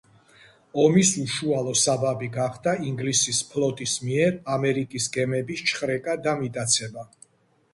ომის უშუალო საბაბი გახდა ინგლისის ფლოტის მიერ ამერიკის გემების ჩხრეკა და მიტაცება.